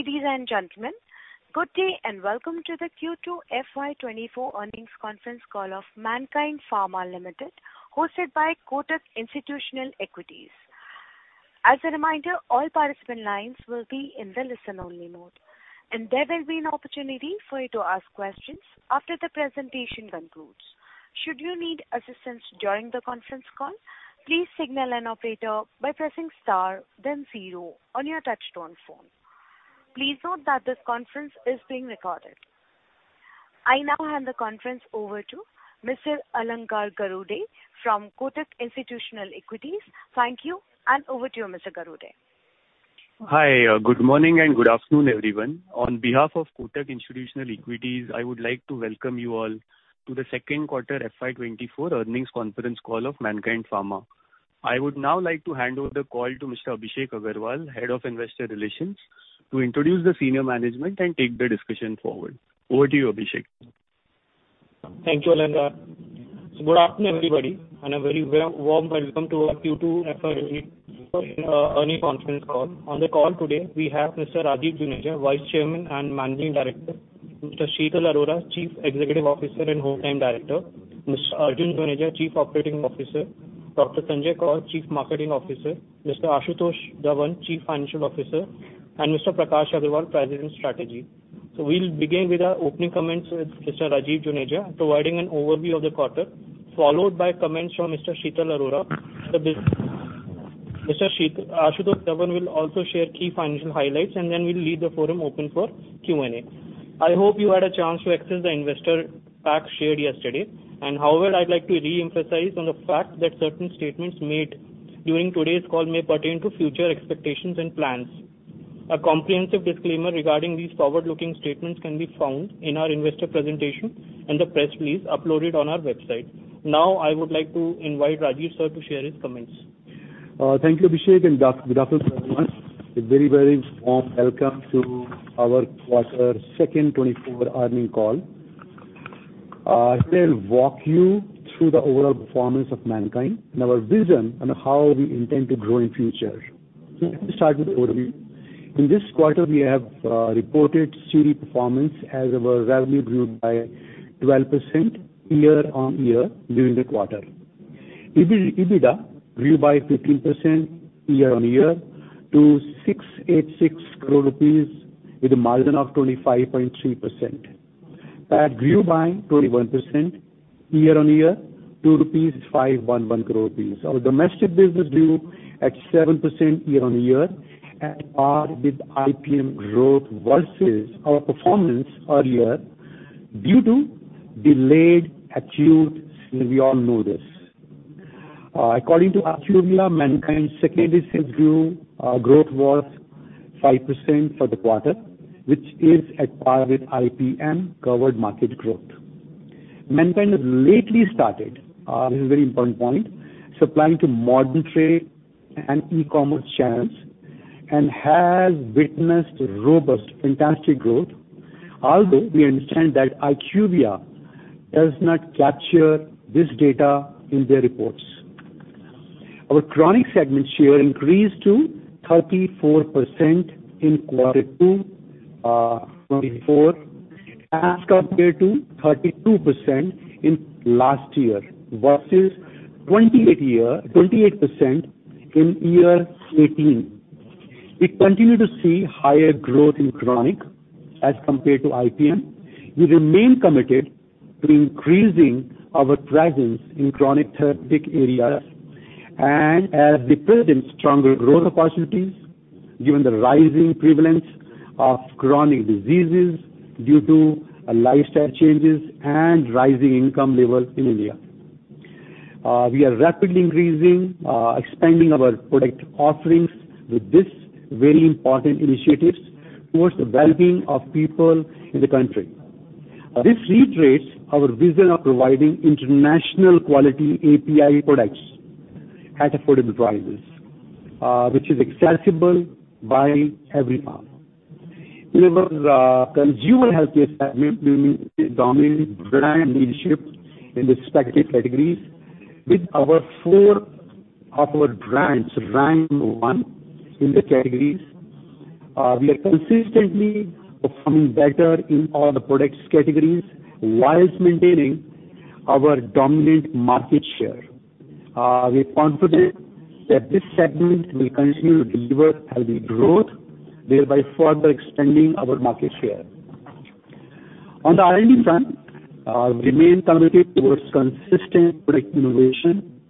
Ladies and gentlemen, good day, and welcome to the Q2 FY24 Earnings Conference Call of Mankind Pharma Limited, hosted by Kotak Institutional Equities. As a reminder, all participant lines will be in the listen-only mode, and there will be an opportunity for you to ask questions after the presentation concludes. Should you need assistance during the conference call, please signal an operator by pressing star then zero on your touchtone phone. Please note that this conference is being recorded. I now hand the conference over to Mr. Alankar Garude from Kotak Institutional Equities. Thank you, and over to you, Mr. Garude. Hi, good morning and good afternoon, everyone. On behalf of Kotak Institutional Equities, I would like to welcome you all to the second quarter FY 2024 Earnings Conference Call of Mankind Pharma. I would now like to hand over the call to Mr. Abhishek Agarwal, Head of Investor Relations, to introduce the senior management and take the discussion forward. Over to you, Abhishek. Thank you, Alankar. Good afternoon, everybody, and a very warm, warm welcome to our Q2 FY 2024 Earnings Conference Call. On the call today, we have Mr. Rajeev Juneja, Vice Chairman and Managing Director, Mr. Sheetal Arora, Chief Executive Officer and Whole-Time Director, Mr. Arjun Juneja, Chief Operating Officer, Dr. Sanjay Koul, Chief Marketing Officer, Mr. Ashutosh Dhawan, Chief Financial Officer, and Mr. Prakash Agarwal, President, Strategy. So we'll begin with our opening comments with Mr. Rajeev Juneja, providing an overview of the quarter, followed by comments from Mr. Sheetal Arora, the business. Ashutosh Dhawan will also share key financial highlights, and then we'll leave the forum open for Q&A. I hope you had a chance to access the investor pack shared yesterday, and however, I'd like to re-emphasize on the fact that certain statements made during today's call may pertain to future expectations and plans. A comprehensive disclaimer regarding these forward-looking statements can be found in our investor presentation and the press release uploaded on our website. Now, I would like to invite Rajeev, sir, to share his comments. Thank you, Abhishek, and good afternoon, everyone. A very, very warm welcome to our second quarter 2024 earnings call. Today I'll walk you through the overall performance of Mankind and our vision on how we intend to grow in future. Let me start with the overview. In this quarter, we have reported steady performance as our revenue grew by 12% year-on-year during the quarter. EBITDA grew by 15% year-on-year to 686 crore rupees, with a margin of 25.3% and grew by 21% year-on-year to 511 crore. Our domestic business grew at 7% year-on-year, at par with IPM growth versus our performance earlier, due to delayed acute, we all know this. According to IQVIA, Mankind's secondary sales growth was 5% for the quarter, which is at par with IPM covered market growth. Mankind has lately started, this is a very important point, supplying to modern trade and e-commerce channels and has witnessed robust, fantastic growth. Although, we understand that IQVIA does not capture this data in their reports. Our chronic segment share increased to 34% in quarter two, 2024, as compared to 32% in last year, versus 28% in 2018. We continue to see higher growth in chronic as compared to IPM. We remain committed to increasing our presence in chronic therapeutic areas and as they present stronger growth opportunities, given the rising prevalence of chronic diseases due to lifestyle changes and rising income levels in India. We are rapidly increasing, expanding our product offerings with this very important initiatives towards the well-being of people in the country. This reiterates our vision of providing international quality API products at affordable prices, which is accessible by everyone. In our, consumer health segment, we maintain dominant brand leadership in the respective categories, with our four of our brands rank one in the categories. We are consistently performing better in all the products categories, whilst maintaining our dominant market share. We are confident that this segment will continue to deliver healthy growth, thereby further expanding our market share. On the R&D front, we remain committed towards consistent product innovation,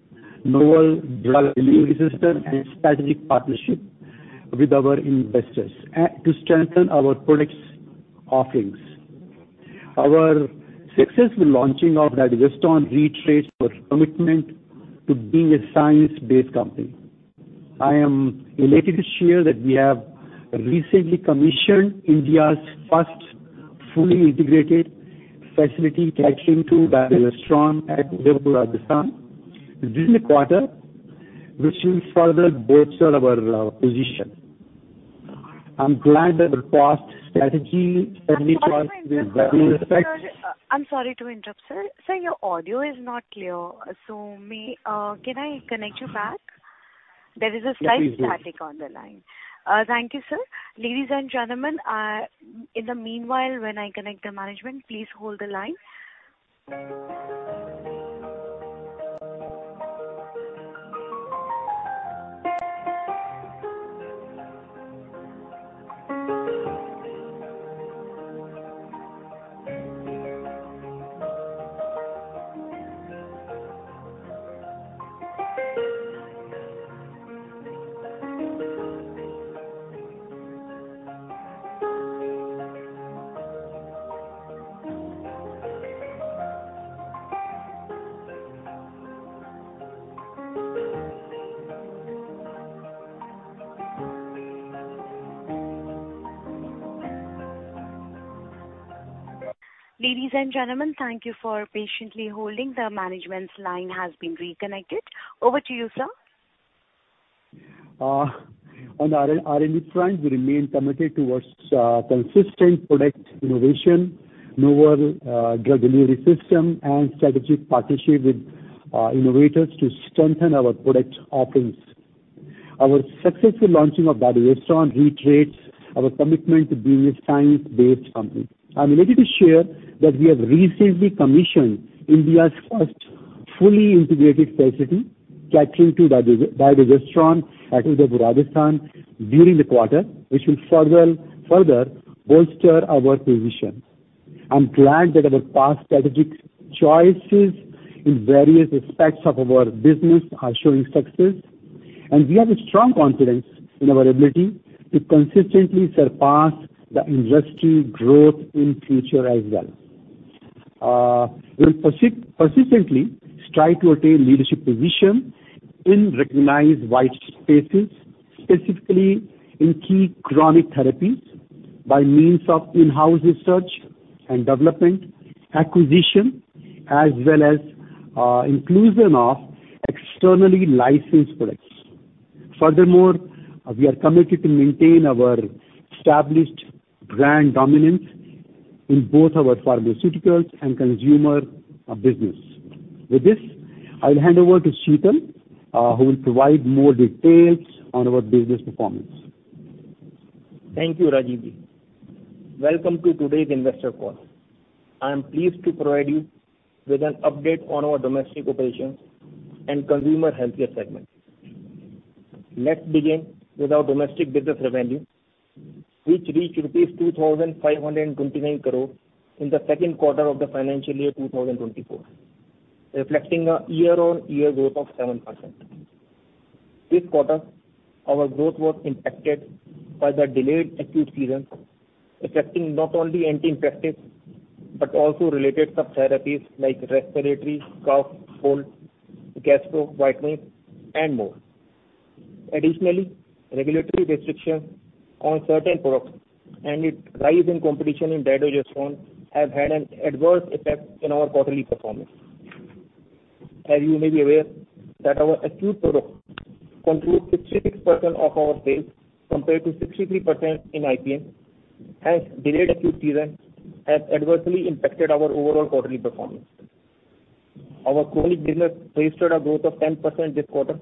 novel drug delivery system and strategic partnership with our investors, to strengthen our products' offerings. Our successful launching of Dydrogesterone reiterates our commitment to being a science-based company. I am delighted to share that we have recently commissioned India's first fully integrated facility catering to Dydrogesterone at Udaipur, Rajasthan, this quarter, which will further bolster our position. I'm glad that our past strategy has been very respect I'm sorry to interrupt, sir. Sir, your audio is not clear, so may, can I connect you back? There is a slight static on the line. Yes, please. Thank you, sir. Ladies and gentlemen, in the meanwhile, when I connect the management, please hold the line. Ladies and gentlemen, thank you for patiently holding. The management's line has been reconnected. Over to you, sir. On the R&D front, we remain committed toward consistent product innovation, newer drug delivery system, and strategic partnership with innovators to strengthen our product offerings. Our successful launching of DiarhoJect® reiterates our commitment to being a science-based company. I'm delighted to share that we have recently commissioned India's first fully integrated facility tracking to DiarhoJect®, Rajasthan, during the quarter, which will further bolster our position. I'm glad that our past strategic choices in various aspects of our business are showing success, and we have a strong confidence in our ability to consistently surpass the industry growth in future as well. We'll persistently strive to attain leadership position in recognized wide spaces, specifically in key chronic therapies, by means of in-house research and development, acquisition, as well as inclusion of externally licensed products. Furthermore, we are committed to maintain our established brand dominance in both our pharmaceuticals and consumer business. With this, I'll hand over to Sheetal, who will provide more details on our business performance. Thank you, Rajeevji. Welcome to today's investor call. I am pleased to provide you with an update on our domestic operations and consumer healthcare segment. Let's begin with our domestic business revenue, which reached rupees 2,529 crore in the second quarter of the financial year 2024, reflecting a year-on-year growth of 7%. This quarter, our growth was impacted by the delayed acute season, affecting not only anti-infectives, but also related sub-therapies like respiratory, cough, cold, gastro, whitening, and more. Additionally, regulatory restrictions on certain products and a rise in competition in DiarhoJect® have had an adverse effect in our quarterly performance. As you may be aware that our acute products conclude 66% of our sales, compared to 63% in IPM, hence delayed acute season has adversely impacted our overall quarterly performance. Our chronic business registered a growth of 10% this quarter,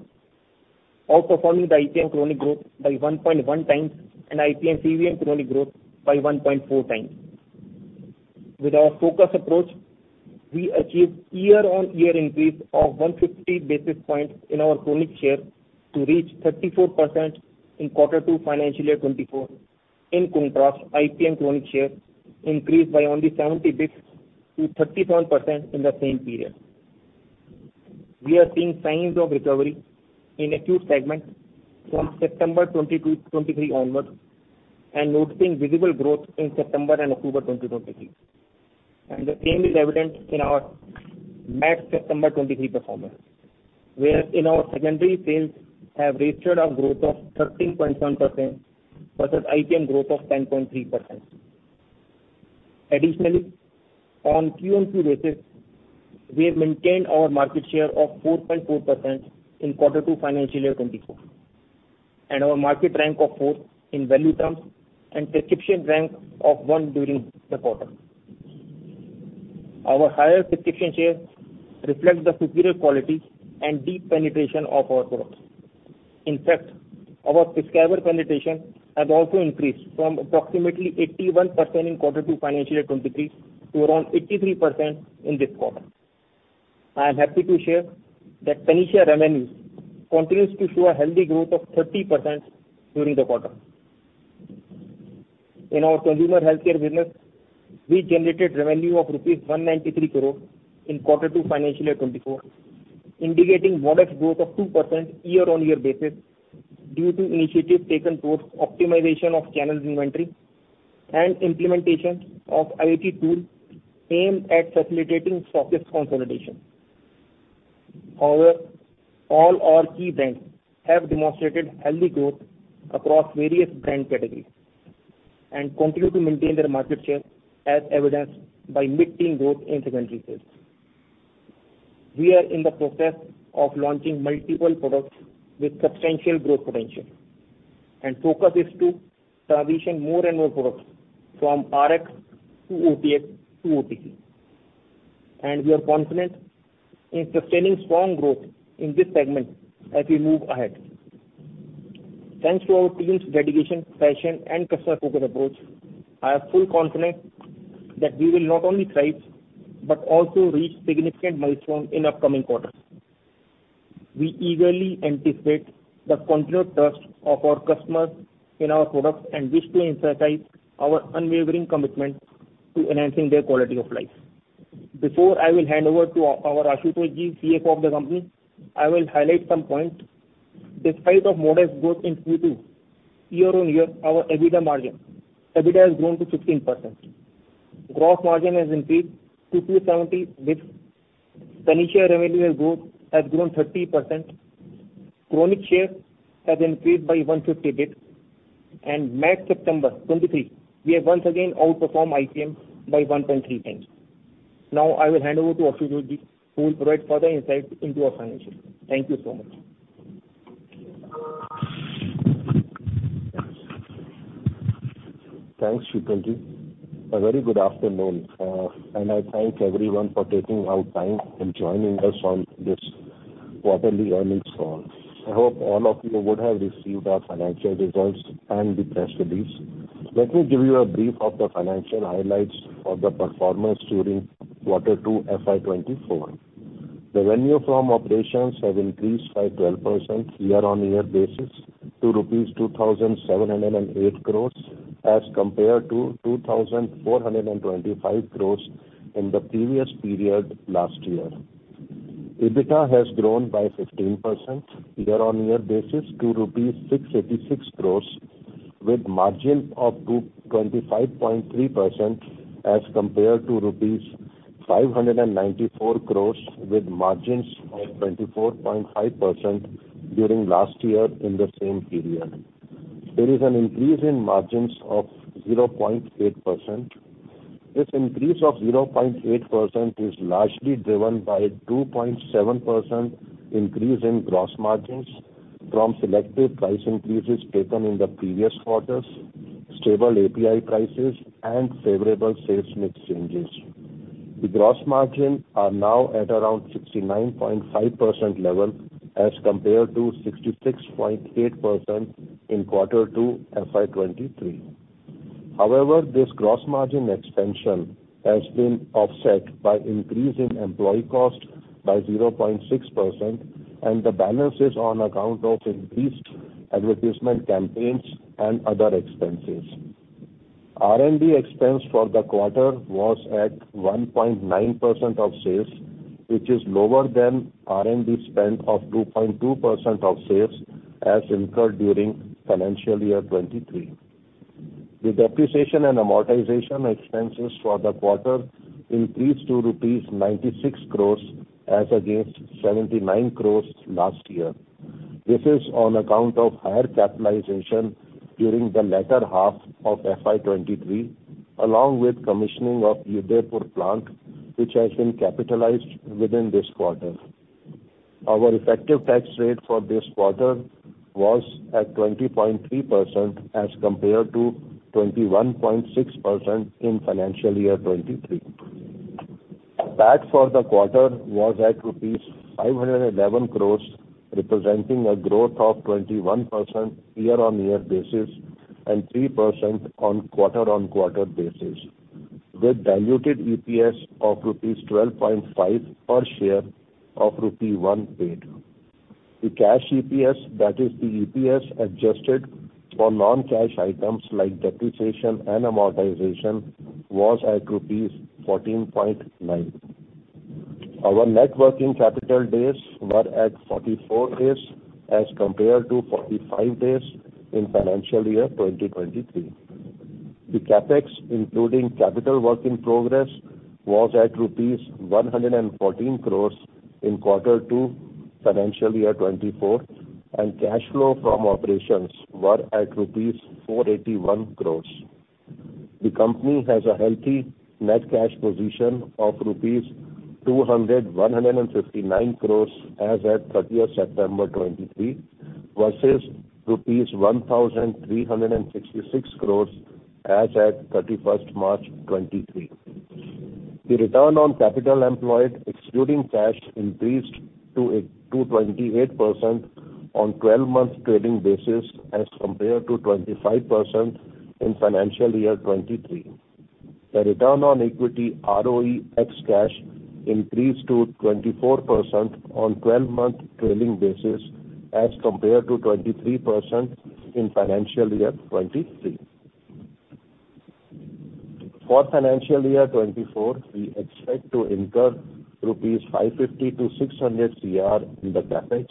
outperforming the IPM chronic growth by 1.1 times and IPM CVM chronic growth by 1.4 times. With our focused approach, we achieved year-on-year increase of 150 basis points in our chronic share to reach 34% in quarter two, financial year 2024. In contrast, IPM chronic share increased by only seventy basis points to 31% in the same period. We are seeing signs of recovery in acute segment from September 2022 to 2023 onwards, and noticing visible growth in September and October 2023. And the same is evident in our max September 2023 performance, wherein our secondary sales have registered a growth of 13.1% versus IPM growth of 10.3%. Additionally, on QOQ basis, we have maintained our market share of 4.4% in quarter two, financial year 2024, and our market rank of four in value terms and prescription rank of 1 during the quarter. Our higher prescription share reflects the superior quality and deep penetration of our products. In fact, our prescriber penetration has also increased from approximately 81% in quarter two, financial year 2023, to around 83% in this quarter. I am happy to share that Panacea revenues continues to show a healthy growth of 30% during the quarter. In our consumer healthcare business, we generated revenue of rupees 193 crore in quarter two, financial year 2024, indicating modest growth of 2% year-on-year basis, due to initiatives taken towards optimization of channel inventory and implementation of IT tool aimed at facilitating stockist consolidation. However, all our key brands have demonstrated healthy growth across various brand categories and continue to maintain their market share, as evidenced by mid-teen growth in secondary sales. We are in the process of launching multiple products with substantial growth potential, and focus is to transition more and more products from RX to OTX to OTC. We are confident in sustaining strong growth in this segment as we move ahead. Thanks to our team's dedication, passion, and customer-focused approach, I am fully confident that we will not only thrive, but also reach significant milestone in upcoming quarters. We eagerly anticipate the continued trust of our customers in our products, and wish to emphasize our unwavering commitment to enhancing their quality of life. Before I will hand over to our Ashutosh Ji, CFO of the company, I will highlight some points. Despite a modest growth in Q2, year-on-year, our EBITDA margin. EBITDA has grown to 15%. Gross margin has increased to 270 basis points. Sunita revenue has grown 30%. Chronic share has increased by 150 basis points. Mid-September 2023, we have once again outperformed IPM by 1.3 times. Now I will hand over to Ashutosh Dhawan, who will provide further insight into our financials. Thank you so much. Thanks, Sheetal Ji. A very good afternoon, and I thank everyone for taking out time in joining us on this quarterly earnings call. I hope all of you would have received our financial results and the press release. Let me give you a brief of the financial highlights of the performance during quarter two FY 2024. The revenue from operations have increased by 12% year-on-year basis to rupees 2,708 crore, as compared to 2,425 crore in the previous period last year. EBITDA has grown by 15% year-on-year basis to rupees 686 crore, with margin of 25.3%, as compared to rupees 594 crore, with margins of 24.5% during last year in the same period. There is an increase in margins of 0.8%. This increase of 0.8% is largely driven by a 2.7% increase in gross margins from selective price increases taken in the previous quarters, stable API prices, and favorable sales mix changes. The gross margin are now at around 69.5% level, as compared to 66.8% in quarter two, FY 2023. However, this gross margin expansion has been offset by increase in employee cost by 0.6%, and the balances on account of increased advertisement campaigns and other expenses. R&D expense for the quarter was at 1.9% of sales, which is lower than R&D spend of 2.2% of sales, as incurred during financial year 2023. The depreciation and amortization expenses for the quarter increased to rupees 96 crore as against 79 crore last year. This is on account of higher capitalization during the latter half of FY 2023, along with commissioning of Udaipur plant, which has been capitalized within this quarter. Our effective tax rate for this quarter was at 20.3%, as compared to 21.6% in financial year 2023. PAT for the quarter was at rupees 511 crore, representing a growth of 21% year-on-year basis, and 3% on quarter-on-quarter basis, with diluted EPS of rupees 12.5 per share of rupee 1 paid. The cash EPS, that is the EPS adjusted for non-cash items like depreciation and amortization, was at rupees 14.9. Our net working capital days were at 44 days, as compared to 45 days in financial year 2023. The CapEx, including capital work in progress, was at rupees 114 crore in quarter two, financial year 2024, and cash flow from operations were at rupees 481 crore. The company has a healthy net cash position of rupees 259 crore as at 30th September 2023, versus rupees 1,366 crore as at 31st March 2023. The return on capital employed, excluding cash, increased to 28% on twelve-month trailing basis, as compared to 25% in financial year 2023. The return on equity, ROE, ex cash, increased to 24% on twelve-month trailing basis, as compared to 23% in financial year 2023. For financial year 2024, we expect to incur rupees 550-600 crore in the CapEx.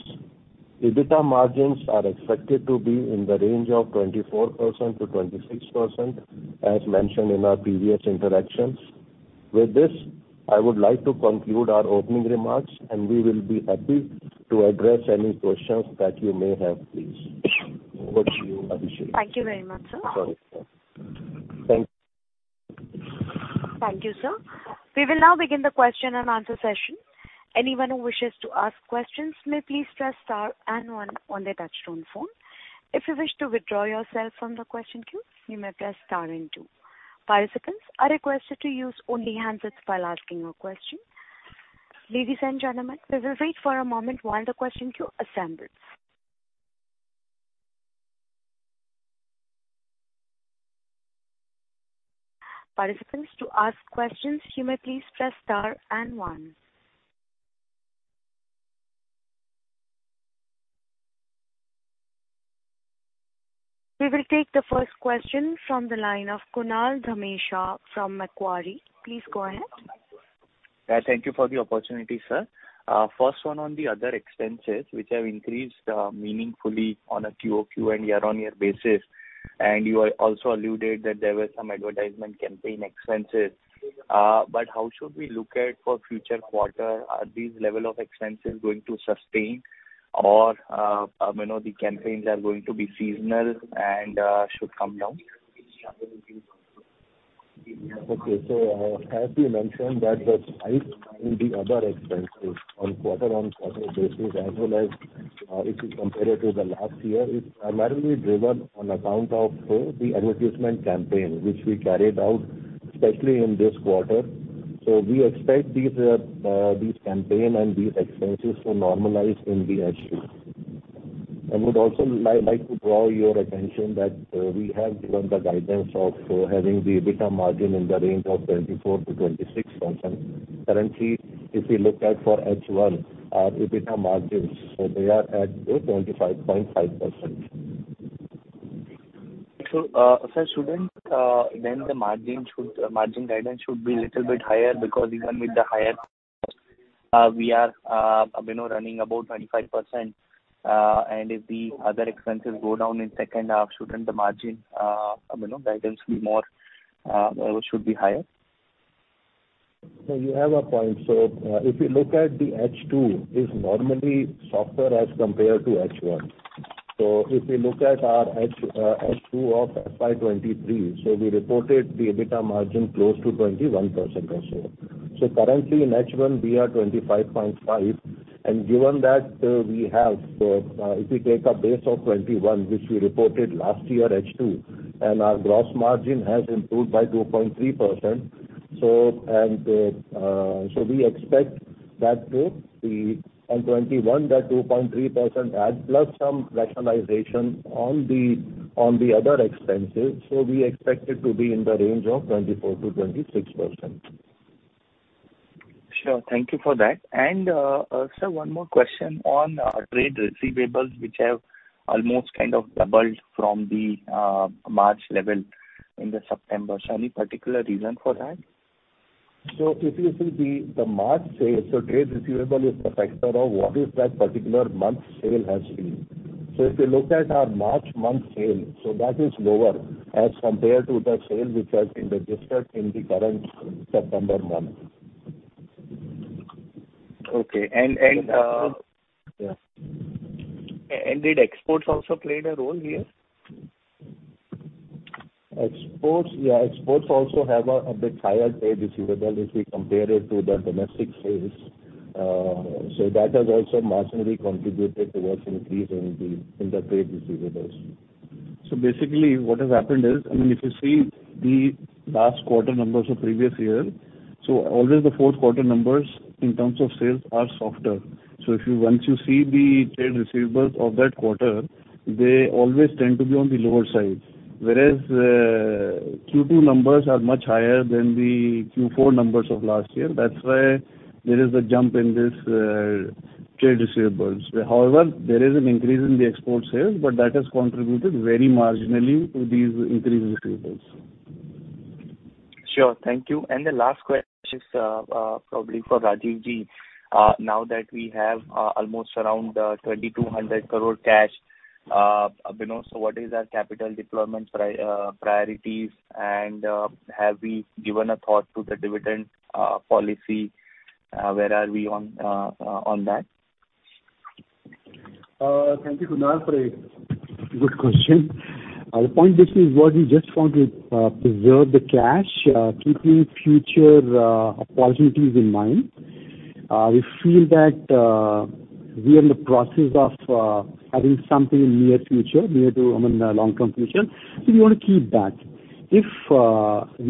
EBITDA margins are expected to be in the range of 24%-26%, as mentioned in our previous interactions. With this, I would like to conclude our opening remarks, and we will be happy to address any questions that you may have, please. Over to you, Abhishek. Thank you very much, sir. Sorry, sir. Thank you. Thank you, sir. We will now begin the question and answer session. Anyone who wishes to ask questions, may please press star and one on their touchtone phone. If you wish to withdraw yourself from the question queue, you may press star and two. Participants are requested to use only handsets while asking your question. Ladies and gentlemen, we will wait for a moment while the question queue assembles. Participants, to ask questions, you may please press star and one. We will take the first question from the line of Kunal Dhamesha from Macquarie. Please go ahead. Yeah, thank you for the opportunity, sir. First one on the other expenses, which have increased meaningfully on a QOQ and year-on-year basis, and you also alluded that there were some advertisement campaign expenses. But how should we look at for future quarter? Are these level of expenses going to sustain or, you know, the campaigns are going to be seasonal and should come down? Okay, so, as we mentioned that the spike in the other expenses on quarter-on-quarter basis, as well as, if you compare it to the last year, it's primarily driven on account of, the advertisement campaign, which we carried out, especially in this quarter. So we expect these, these campaign and these expenses to normalize in the H2. I would also like to draw your attention that, we have given the guidance of, having the EBITDA margin in the range of 24%-26%. Currently, if you look at for H1, our EBITDA margins, so they are at, 25.5%. So, shouldn't then the margin margin guidance be little bit higher, because even with the higher, we are, you know, running about 25%, and if the other expenses go down in second half, shouldn't the margin, you know, guidance be more, or should be higher? So you have a point. If you look at the H2, it is normally softer as compared to H1. If you look at our H2 of FY 2023, we reported the EBITDA margin close to 21% or so. Currently, in H1, we are 25.5, and given that, if we take a base of 21, which we reported last year, H2, and our gross margin has improved by 2.3%, so and, so we expect that to the, on 21, that 2.3% add, plus some rationalization on the, on the other expenses, so we expect it to be in the range of 24%-26%. Sure. Thank you for that. And, sir, one more question on trade receivables, which have almost kind of doubled from the March level in the September. So any particular reason for that? So if you see the March sales, so trade receivable is the factor of what is that particular month's sale has been. So if you look at our March month sale, so that is lower as compared to the sale which has been registered in the current September month. Okay. And, Yeah. Did exports also play a role here? Exports, yeah, exports also have a bit higher trade receivable, if we compare it to the domestic sales. So that has also marginally contributed towards an increase in the trade receivables. So basically, what has happened is, I mean, if you see the last quarter numbers of previous year, so always the fourth quarter numbers in terms of sales are softer. So if you, once you see the trade receivables of that quarter, they always tend to be on the lower side. Whereas, Q2 numbers are much higher than the Q4 numbers of last year. That's why there is a jump in this, trade receivables. However, there is an increase in the export sales, but that has contributed very marginally to these increased receivables. Sure. Thank you. The last question, probably for Rajeevji. Now that we have almost around 2,200 crore cash, you know, so what is our capital deployment priorities? And, have we given a thought to the dividend policy? Where are we on that? Thank you, Kunal, for a good question. The point basically was, we just want to preserve the cash, keeping future opportunities in mind. We feel that we are in the process of having something in near future, near to, I mean, long-term vision. So we want to keep that. If we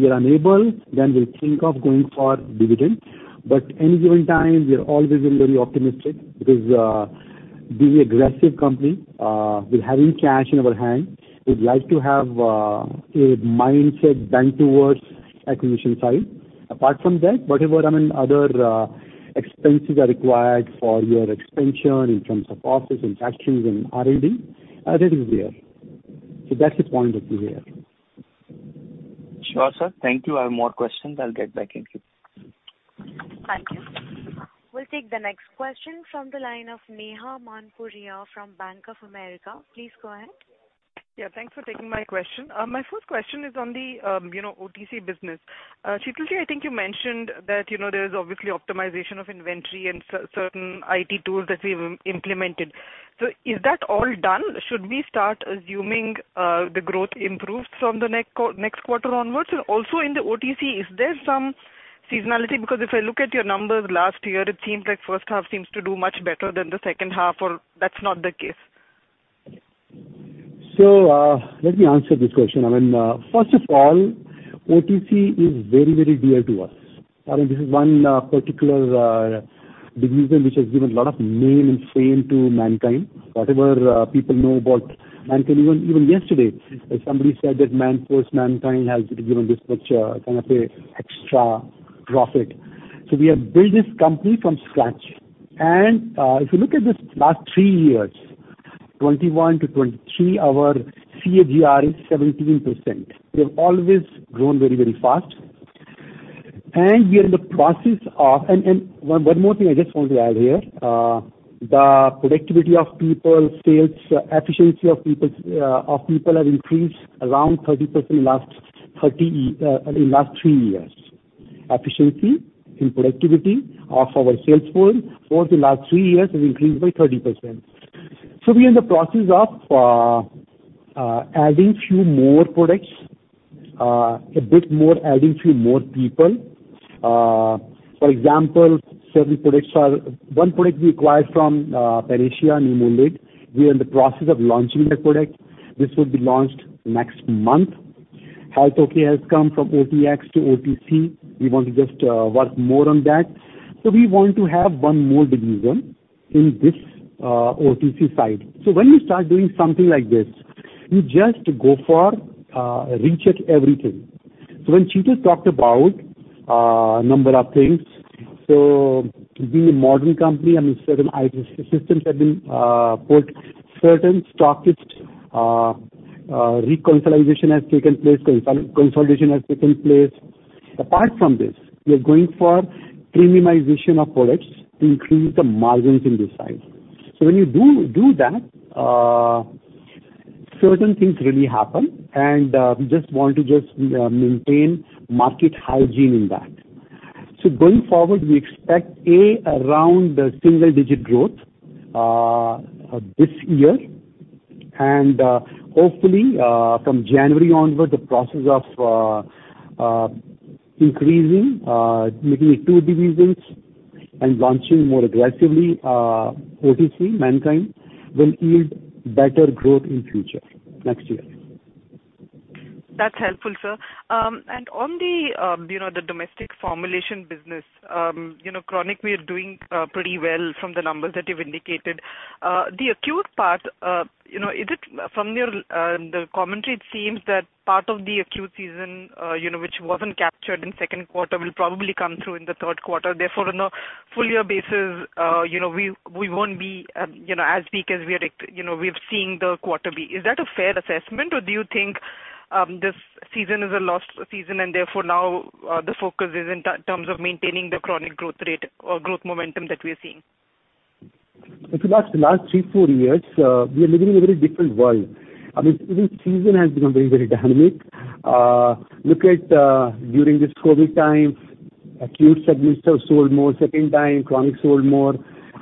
are unable, then we'll think of going for dividend. But any given time, we are always very optimistic because, being an aggressive company, with having cash in our hand, we'd like to have a mindset bent towards acquisition side. Apart from that, whatever, I mean, other expenses are required for your expansion in terms of office and factories and R&D, that is there. So that's the point of view here. Sure, sir. Thank you. I have more questions. I'll get back in queue. Thank you. We'll take the next question from the line of Neha Manpuria from Bank of America. Please go ahead. Yeah, thanks for taking my question. My first question is on the, you know, OTC business. Sheetalji, I think you mentioned that, you know, there is obviously optimization of inventory and certain IT tools that we've implemented. So is that all done? Should we start assuming, the growth improves from the next quarter onwards? And also in the OTC, is there some seasonality? Because if I look at your numbers last year, it seemed like first half seems to do much better than the second half, or that's not the case? So, let me answer this question. I mean, first of all, OTC is very, very dear to us. I mean, this is one particular division which has given a lot of name and fame to Mankind. Whatever people know about Mankind, even yesterday, somebody said that Manforce, Mankind has given this much kind of a extra profit. So we have built this company from scratch. And if you look at this last three years, 2021-2023, our CAGR is 17%. We have always grown very, very fast. And we are in the process of... And one more thing I just want to add here, the productivity of people, sales efficiency of people have increased around 30% in last three years. Efficiency and productivity of our sales force for the last three years has increased by 30%. So we are in the process of adding few more products, a bit more adding few more people. For example, certain products are one product we acquired from Panacea named Nimulid. We are in the process of launching that product. This will be launched next month. Health OK has come from OTX to OTC. We want to just work more on that. So we want to have one more division in this OTC side. So when you start doing something like this, you just go for recheck everything. So when Sheetal talked about number of things, so being a modern company, I mean, certain IT systems have been put, certain stockists reconciliation has taken place, consolidation has taken place. Apart from this, we are going for premiumization of products to increase the margins in this side. So when you do, do that, certain things really happen, and we just want to just maintain market hygiene in that. So going forward, we expect A, around the single digit growth this year, and hopefully from January onward, the process of increasing making it two divisions and launching more aggressively OTC Mankind will yield better growth in future, next year. That's helpful, sir. And on the, you know, the domestic formulation business, you know, chronic, we are doing pretty well from the numbers that you've indicated. The acute part, you know, is it from your, the commentary, it seems that part of the acute season, you know, which wasn't captured in second quarter, will probably come through in the third quarter. Therefore, on a full year basis, you know, we, we won't be, you know, as weak as we are, you know, we've seen the quarter be. Is that a fair assessment, or do you think this season is a lost season, and therefore, now the focus is in terms of maintaining the chronic growth rate or growth momentum that we are seeing? If you ask the last three, four years, we are living in a very different world. I mean, even season has become very, very dynamic. Look at, during this COVID time, acute segments have sold more, second time, chronic sold more.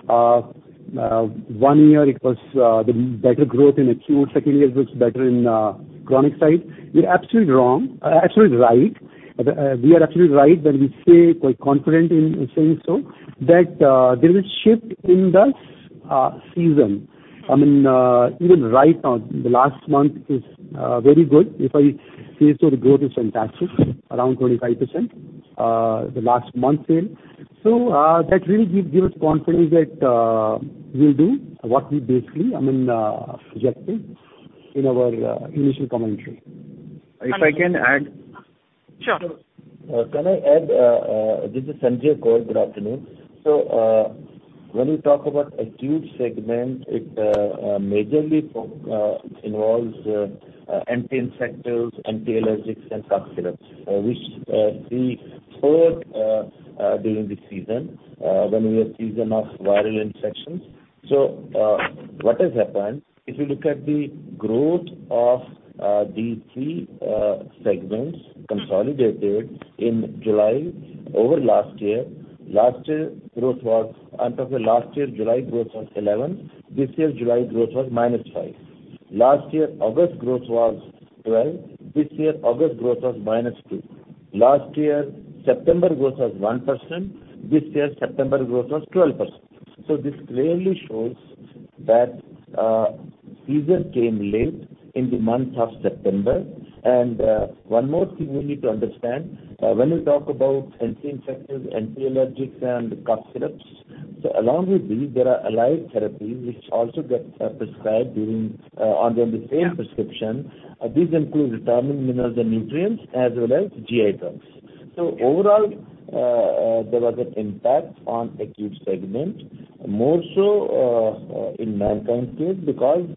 One year it was, the better growth in acute, second year it was better in, chronic side. You're absolutely wrong, absolutely right. We are absolutely right when we say, quite confident in saying so, that, there is a shift in the, season. I mean, even right now, the last month is, very good. If I say so, the growth is fantastic, around 25%, the last month sale. So, that really give, give us confidence that, we'll do what we basically, I mean, projecting in our, initial commentary. If I can add? Sure. Can I add this is Sanjay Koul, good afternoon. So, when you talk about acute segment, it majorly involves anti-infectives, anti-allergics, and cough syrups, which we saw during the season, when we had season of viral infections. So, what has happened, if you look at the growth of these three segments consolidated in July over last year, last year growth was, and of the last year, July growth was 11, this year July growth was -5. Last year, August growth was 12, this year, August growth was -2. Last year, September growth was 1%, this year, September growth was 12%. So this clearly shows that season came late in the month of September. One more thing we need to understand, when we talk about anti-infectives, anti-allergics, and cough syrups, so along with these, there are allied therapies which also get prescribed during, under the same prescription. These include vitamins, minerals, and nutrients, as well as GI drugs. Overall, there was an impact on acute segment, more so, in Mankind case, because,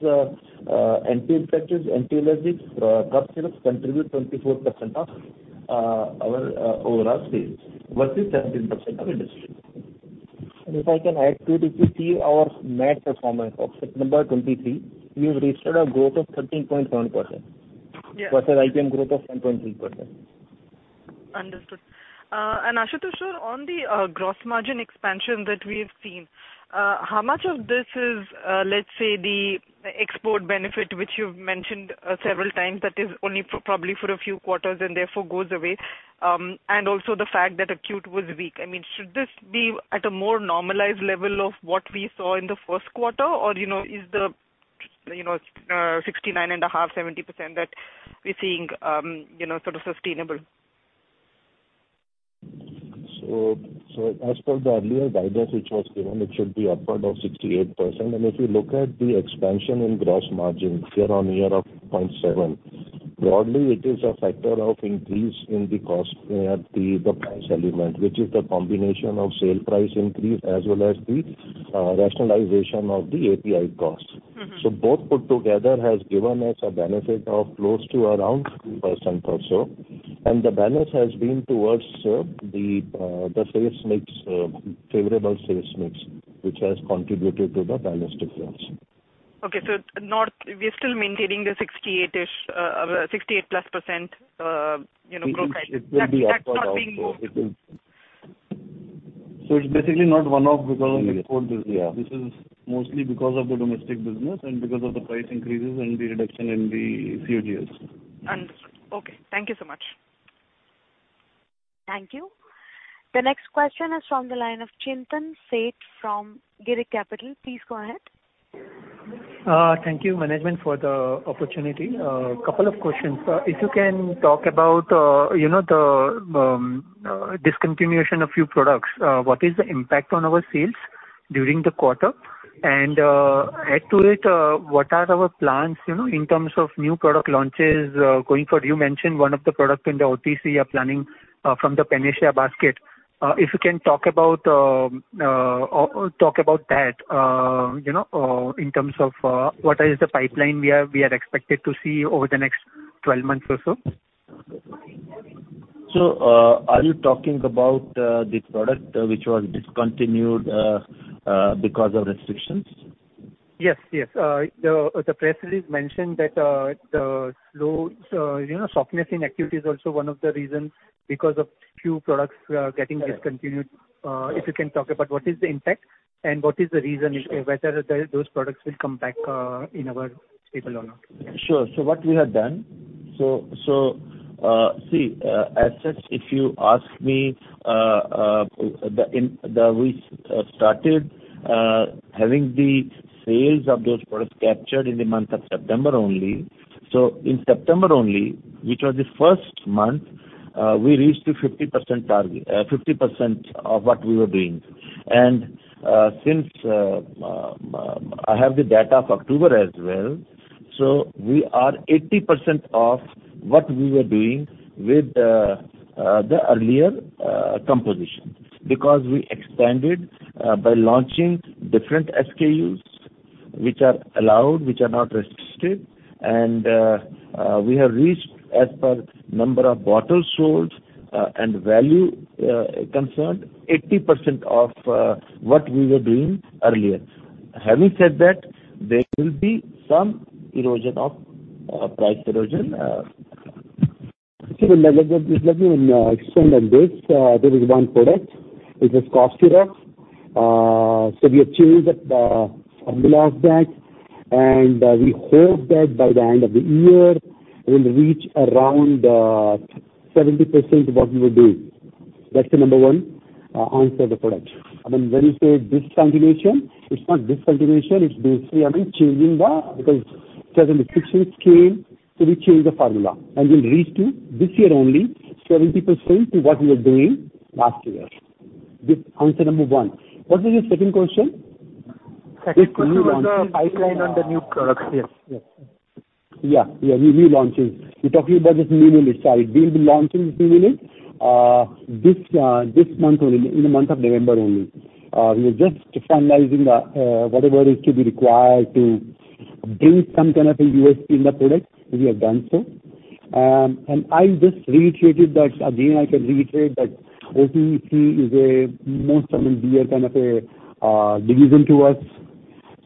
anti-infectives, anti-allergics, cough syrups contribute 24% of our overall sales, versus 17% of industry. And if I can add to it, if you see our net performance of number 23, we have reached a growth of 13.1%. Yeah. Versus IPM growth of 10.3%. Understood. And Ashutosh, sir, on the gross margin expansion that we have seen, how much of this is, let's say, the export benefit, which you've mentioned several times, that is only for probably for a few quarters and therefore goes away? And also the fact that acute was weak. I mean, should this be at a more normalized level of what we saw in the first quarter? Or, you know, is the, you know, 69.5%-70% that we're seeing, you know, sort of sustainable? As per the earlier guidance which was given, it should be upward of 68%. If you look at the expansion in gross margin year-on-year of 0.7, broadly, it is a factor of increase in the cost, the price element, which is the combination of sale price increase as well as the rationalization of the API cost. So both put together has given us a benefit of close to around 2% or so, and the balance has been towards the sales mix, favorable sales mix, which has contributed to the balance difference. Okay, so we are still maintaining the 68-ish, 68 plus %, you know, profile. It will be upward also. That's not being moved. So it's basically not one-off because of export business. Yeah. This is mostly because of the domestic business and because of the price increases and the reduction in the few years. Understood. Okay, thank you so much. Thank you. The next question is from the line of Chintan Sheth from Girik Capital. Please go ahead. Thank you, management, for the opportunity. Couple of questions. If you can talk about, you know, the discontinuation of few products, what is the impact on our sales during the quarter? Add to it, what are our plans, you know, in terms of new product launches, going forward? You mentioned one of the products in the OTC are planning from the Panacea basket. If you can talk about that, you know, in terms of what is the pipeline we are expected to see over the next 12 months or so? Are you talking about the product which was discontinued because of restrictions? Yes. Yes. The press release mentioned that the low, you know, softness in acute is also one of the reasons, because of few products getting discontinued. Yeah. If you can talk about what is the impact and what is the reason- Sure. whether those products will come back, in our stable or not? Sure. So what we have done. So, as such, if you ask me, we started having the sales of those products captured in the month of September only. So in September only, which was the first month, we reached to 50% target, 50% of what we were doing. And, since I have the data of October as well, so we are 80% of what we were doing with the earlier composition. Because we expanded by launching different SKUs, which are allowed, which are not restricted, and we have reached as per number of bottles sold and value concerned, 80% of what we were doing earlier. Having said that, there will be some erosion of price erosion. Let me explain on this. There is one product, it is Codistar. So we have changed the formula of that, and we hope that by the end of the year, we'll reach around 70% what we were doing. That's the number one answer the product. I mean, when you say discontinuation, it's not discontinuation, it's basically, I mean, changing the, because certain restrictions came, so we changed the formula. And we reached to, this year only, 70% to what we were doing last year. This answer number one. What was your second question? Second question was the pipeline on the new products, yes. Yes. Yeah, yeah, relaunching. We're talking about this Mininistrie. We'll be launching Mininistrie, this, this month only, in the month of November only. We are just finalizing the, whatever is to be required to bring some kind of a USP in the product. We have done so. And I just reiterated that, again, I can reiterate that OTC is a more, I mean, dear kind of a, division to us.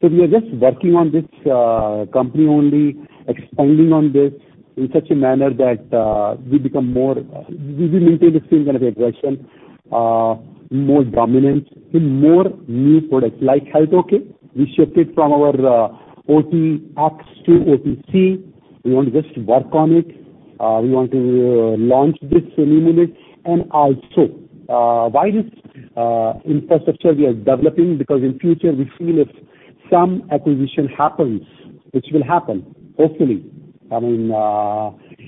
So we are just working on this, company only, expanding on this in such a manner that, we become more, we will maintain the same kind of aggression, more dominance in more new products like Health OK. We shifted from our, OTX to OTC. We want to just work on it. We want to launch this Mininistrie. And also, why this, infrastructure we are developing? Because in future we feel if some acquisition happens, which will happen, hopefully, I mean,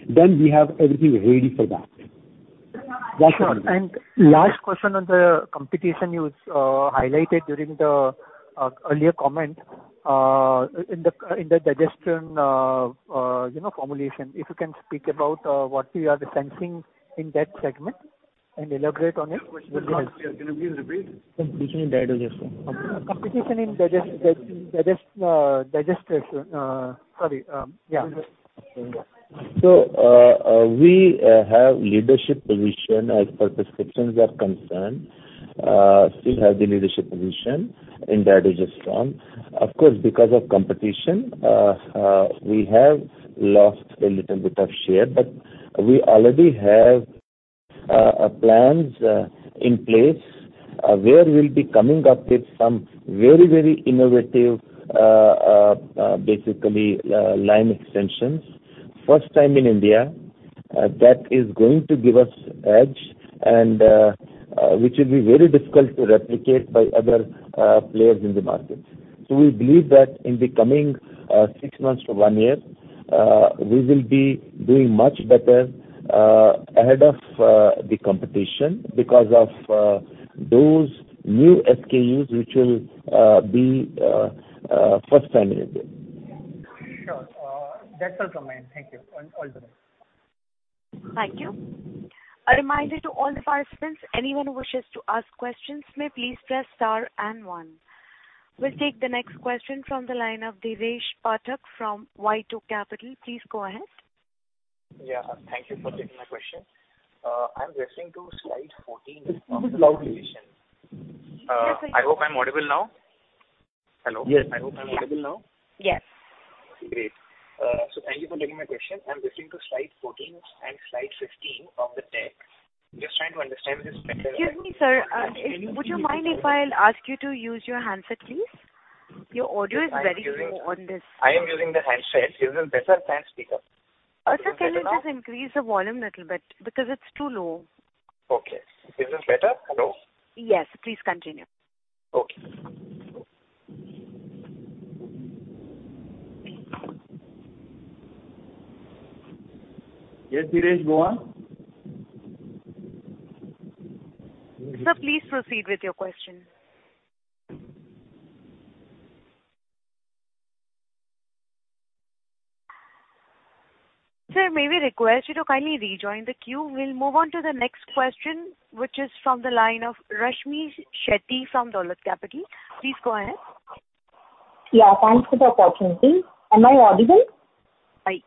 then we have everything ready for that. Sure. Last question on the competition you highlighted during the earlier comment in the domestic, you know, formulation. If you can speak about what you are sensing in that segment and elaborate on it. The question again, can you please repeat? Competition in digestive. Competition in Digesta. So, we have leadership position as per prescriptions are concerned, still have the leadership position, and that is strong. Of course, because of competition, we have lost a little bit of share, but we already have plans in place where we'll be coming up with some very, very innovative basically line extensions. First time in India that is going to give us edge and which will be very difficult to replicate by other players in the market. So we believe that in the coming 6 months to 1 year we will be doing much better ahead of the competition because of those new SKUs, which will be first time in India. Sure. That's all from me. Thank you. And all the best. Thank you. A reminder to all the participants, anyone who wishes to ask questions, may please press star and one. We'll take the next question from the line of Dheeresh Pathak from WhiteOak Capital. Please go ahead. Yeah. Thank you for taking my question. I'm referring to slide 14 of the presentation. I hope I'm audible now. Hello? Yes. I hope I'm audible now. Yes. Great. Thank you for taking my question. I'm listening to slide 14 and slide 15 of the deck. I'm just trying to understand this better Excuse me, sir. Would you mind if I'll ask you to use your handset, please? Your audio is very low on this. I am using the handset. Is it better than speaker? Sir, can you just increase the volume a little bit? Because it's too low. Okay. Is this better? Hello. Yes. Please continue. Okay. Yes, Dheeresh, go on. Sir, please proceed with your question. Sir, may we request you to kindly rejoin the queue. We'll move on to the next question, which is from the line of Rashmi Shetty from Dolat Capital. Please go ahead. Yeah. Thanks for the opportunity. Am I audible?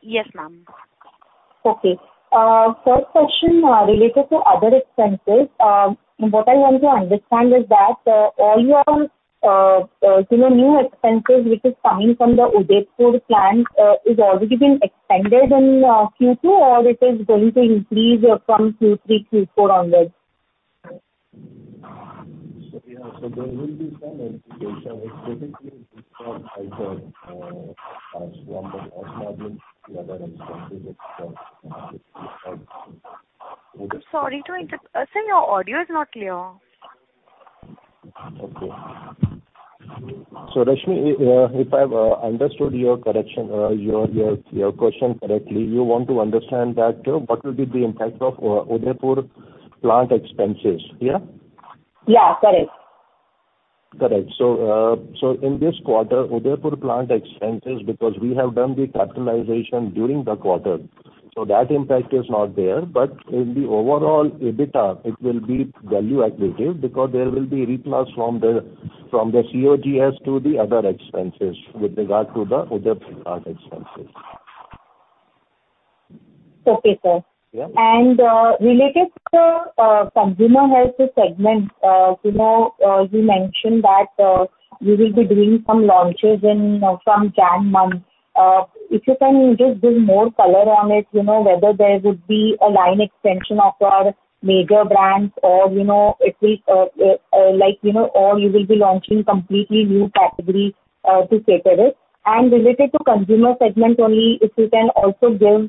Yes, ma'am. Okay. First question related to other expenses. What I want to understand is that, all your, you know, new expenses, which is coming from the Udaipur plant, is already been extended in Q2, or it is going to increase from Q3, Q4 onwards? Yeah, so there will be some education, specifically from either, from the other instances. I'm sorry to interrupt. Sir, your audio is not clear. Okay. So, Rashmi, if I've understood your correction, your question correctly, you want to understand that what will be the impact of Udaipur plant expenses. Yeah? Yeah, correct. Correct. So, so in this quarter, Udaipur plant expenses, because we have done the capitalization during the quarter, so that impact is not there. But in the overall EBITDA, it will be value additive because there will be reclass from the COGS to the other expenses with regard to the Udaipur plant expenses. Okay, sir. Yeah. Related to consumer health segment, you know, you mentioned that you will be doing some launches, from January month. If you can just give more color on it, you know, whether there would be a line extension of our major brands or, you know, it will, like, you know, or you will be launching completely new category to cater it. Related to consumer segment only, if you can also give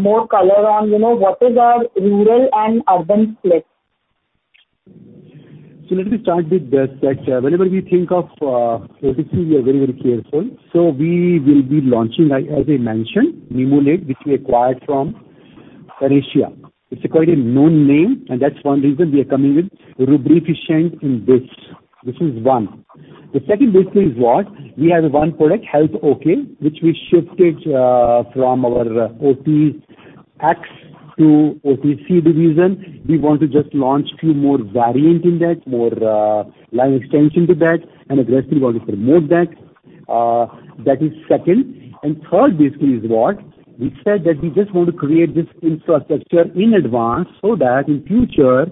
more color on, you know, what is our rural and urban split? So let me start with this, that whenever we think of OTC, we are very, very careful. So we will be launching, like as I mentioned, Mimulene, which we acquired from Panacea. It's quite a known name, and that's one reason we are coming in rubric in this. This is one. The second basically is what? We have one product, Health OK, which we shifted from our OTX to OTC division. We want to just launch few more variant in that, more line extension to that, and aggressively want to promote that. That is second. And third, basically, is what? We said that we just want to create this infrastructure in advance so that in future,